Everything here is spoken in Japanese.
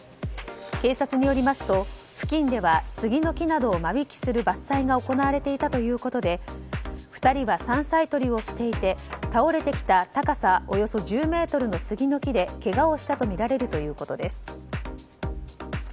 警察によりますと付近ではスギの木などを間引きする伐採が行われていたということで２人は山菜とりをしていて倒れてきた高さおよそ１０ｍのスギの木でけがをしたとみられるということです。